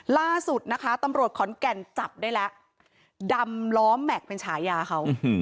ล่าสุดนะคะตำรวจขอนแก่นจับได้แล้วดำล้อแม็กซ์เป็นฉายาเขา